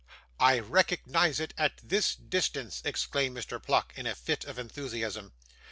'I recognise it at this distance!' exclaimed Mr. Pluck in a fit of enthusiasm.